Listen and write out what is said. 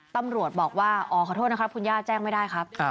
ตำรวจบอกว่าอ๋อขอโทษนะครับคุณย่าแจ้งไม่ได้ครับ